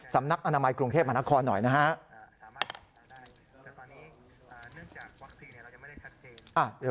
สำนักอนามัยกรุงเทพมหานครหน่อยนะฮะ